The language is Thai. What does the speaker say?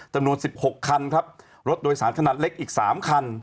จำนวน๑๖คันครับรถโดยสารขนาดเล็กอีก๓คัน